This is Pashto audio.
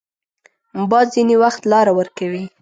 باد ځینې وخت لاره ورکوي